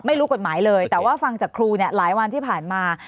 ไม่รู้กฎหมายเลยแต่ว่าฟังจากครูเนี่ยหลายวันที่ผ่านมา